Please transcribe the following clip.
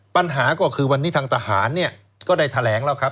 ปัญหาก็คือวันนี้ทางทหารเนี่ยก็ได้แถลงแล้วครับ